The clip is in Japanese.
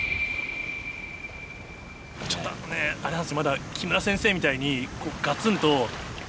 ちょっとあれなんですまだ木村先生みたいにガツンと。